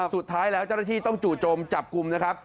สุดท้ายแล้วเจ้าหน้าที่ต้องจู่โจมจับกลุ่มนะครับ